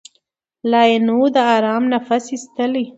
لا یې نه وو د آرام نفس ایستلی